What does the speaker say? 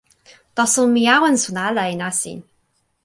taso mi awen sona ala e nasin.